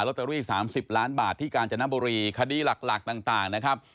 ตเตอรี่๓๐ล้านบาทที่กาญจนบุรีคดีหลักต่างนะครับ